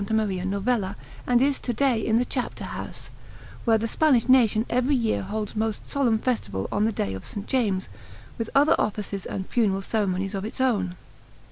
Maria Novella and is to day in the Chapter house, where the Spanish nation every year holds most solemn festival on the day of S. James, with other offices and funeral ceremonies of its own.